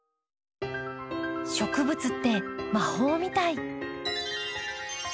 植物って魔法みたい。